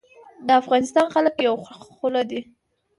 د افغانستان خلک یوه خوله دي